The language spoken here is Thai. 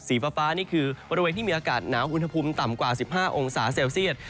ฟ้านี่คือบริเวณที่มีอากาศหนาวอุณหภูมิต่ำกว่า๑๕องศาเซลเซียต